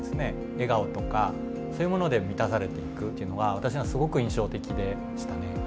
笑顔とかそういうもので満たされていくというのが私にはすごく印象的でしたね。